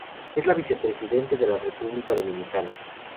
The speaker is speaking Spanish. Es la vicepresidente de la República Dominicana.